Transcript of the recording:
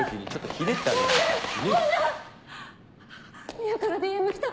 ミアからＤＭ来た。